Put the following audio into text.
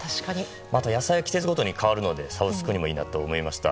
あと野菜は季節ごとに変わるのでサブスクにもいいなと思いました。